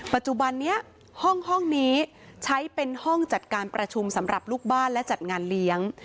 ปัจจุบันนี้ห้องนี้ใช้เป็นห้องจัดการประชุมสำหรับลูกบ้านและจัดงานเลี้ยง